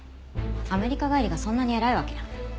アメリカ帰りがそんなに偉いわけ？